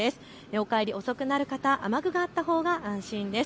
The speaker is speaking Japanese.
お帰り遅くなる方、雨具があったほうが安心です。